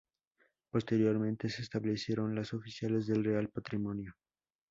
Posteriormente se establecieron las oficinas del Real Patrimonio.